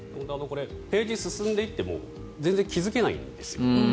ページ、進んでいっても全然気付けないんです。